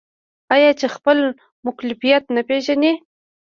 آیا چې خپل مکلفیت نه پیژني؟